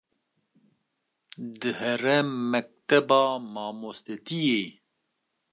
dihere mekteba mamostetiyê